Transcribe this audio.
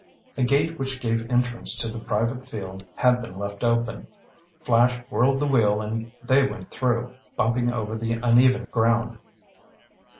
A gate which gave entrance to the private field had been left open. Flash whirled the wheel and they went through, bumping over the uneven ground.